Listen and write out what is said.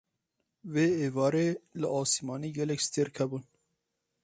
Vê êvarê li asîmanî gelek stêrk hebûn.